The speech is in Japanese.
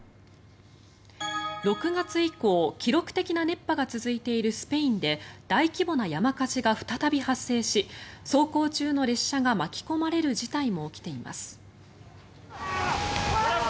６月以降、記録的な熱波が続いているスペインで大規模な山火事が再び発生し走行中の列車が巻き込まれる事態も起きています。